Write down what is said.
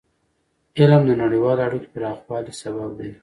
علم د نړیوالو اړیکو پراخوالي سبب دی.